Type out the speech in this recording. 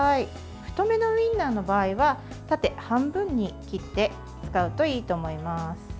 太めのウインナーの場合は縦半分に切って使うといいと思います。